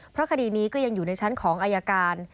เพราะคดีนี้ก็ยังอยู่ในชั้นของอายการ